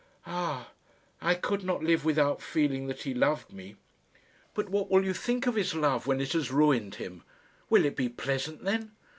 "Ah! I could not live without feeling that he loved me." "But what will you think of his love when it has ruined him? Will it be pleasant then?